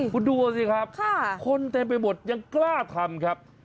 คุณดูสิครับคนเต็มไปหมดยังกล้าทำครับ